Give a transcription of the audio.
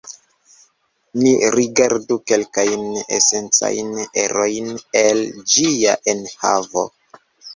Ni rigardu kelkajn esencajn erojn el ĝia enhavo.